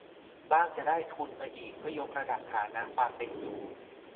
บ้างจะได้ทุนมาอีกเพื่อยกระดับฐานะความเป็นอยู่